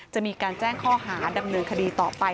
จะมีการแจ้งข้อหาดำเนินคดีต่อไป